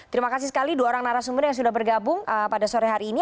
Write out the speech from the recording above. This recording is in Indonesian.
terima kasih sekali dua orang narasumber yang sudah bergabung pada sore hari ini